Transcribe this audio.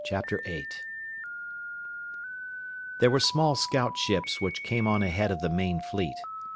8 There were small scout ships which came on ahead of the main fleet.